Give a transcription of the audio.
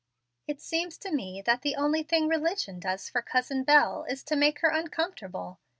It seems to me that the only thing religion does for Cousin Bel is to make her uncomfortable.